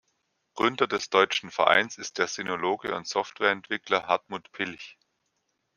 Gründer des deutschen Vereins ist der Sinologe und Software-Entwickler Hartmut Pilch.